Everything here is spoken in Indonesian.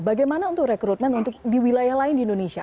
bagaimana untuk rekrutmen untuk di wilayah lain di indonesia